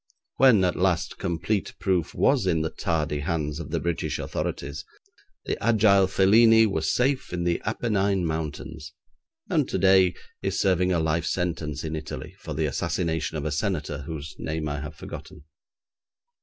When at last complete proof was in the tardy hands of the British authorities, the agile Felini was safe in the Apennine mountains, and today is serving a life sentence in Italy for the assassination of a senator whose name I have forgotten.